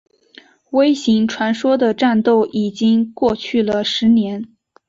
微型传说的战斗已经过了十年。